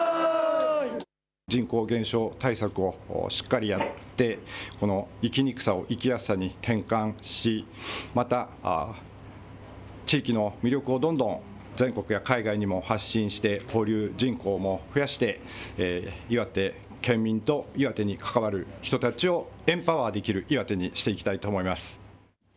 人口減少対策をしっかりやってこの生きにくさを生きやすさに転換し、また、地域の魅力をどんどん全国や海外にも発信して交流人口も増やして岩手県民と岩手に関わる人たちをエンパワーできる岩手にしていきたいと思います。